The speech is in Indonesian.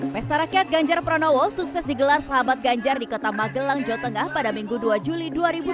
pesta rakyat ganjar pranowo sukses digelar sahabat ganjar di kota magelang jawa tengah pada minggu dua juli dua ribu dua puluh